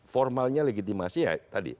formalnya legitimasi ya tadi